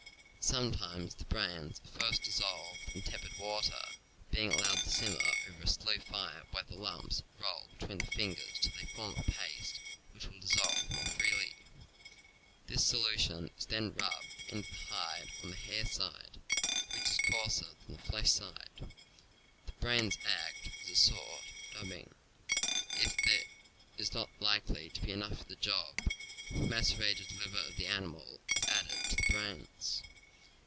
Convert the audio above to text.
Sometimes the brains are first dis solved in tepid water, being allowed to simmer over a slow fire while the lumps are rolled between the fingers till they form a paste which will dissolve more freely. This solution is then rubbed into the hide on the hair side, which is coarser than the flesh side. TROPHIES, BUCKSKIN, RAWHIDE 283 The brains act as a sort of dubbing; if there is not likely to be enough for the job, the macerated liver of the animal is added to the brains.